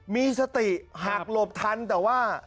มีสติหักหลบทันแต่ว่า